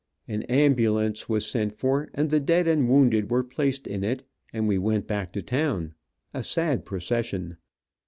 An ambulance was sent for and the dead and wounded were placed in it, and we went back to town, a sad procession.